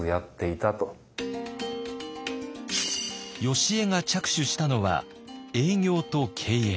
よしえが着手したのは営業と経営。